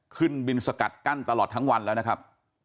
ขึ้นบินสกัดกั้นตลอดทั้งวันแล้วนะครับ